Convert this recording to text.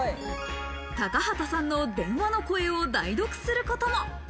高畑さんの電話の声を代読することも。